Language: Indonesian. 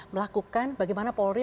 melakukan bagaimana polri